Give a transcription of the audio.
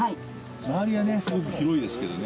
周りはねすごく広いですけどね。